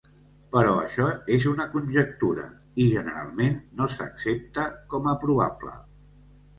Però això és una conjectura, i generalment no s'accepta com a probable.